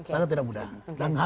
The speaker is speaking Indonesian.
sangat tidak mudah